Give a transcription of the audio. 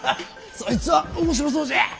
そいつは面白そうじゃ。